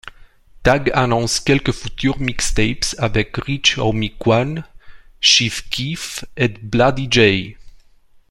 Thug annonce quelques futures mixtapes avec Rich Homie Quan, Chief Keef et Bloody Jay.